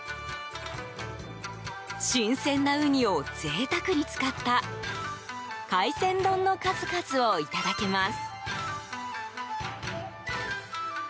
新鮮なウニを贅沢に使った海鮮丼の数々をいただけます。